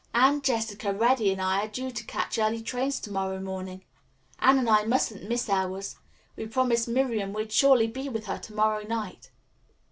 "Anne, Jessica, Reddy, and I are due to catch early trains to morrow morning. Anne and I mustn't miss ours. We promised Miriam we'd surely be with her to morrow night."